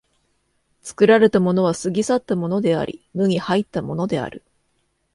作られたものは過ぎ去ったものであり、無に入ったものである。